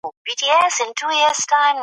که موږ یووالي ولرو نو څوک مو نه ماتوي.